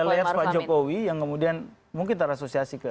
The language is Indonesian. ada layers pak jokowi yang kemudian mungkin terasosiasi ke